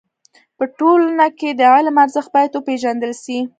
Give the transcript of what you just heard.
په ټولنه کي د علم ارزښت بايد و پيژندل سي.